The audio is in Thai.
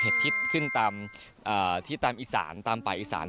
เห็ดทิศขึ้นตามอีสานตามป่าอีสาน